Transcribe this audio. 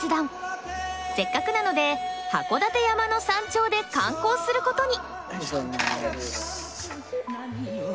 せっかくなので函館山の山頂で観光することに。